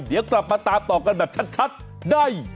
เดี๋ยวกลับมาตามต่อกันแบบชัดได้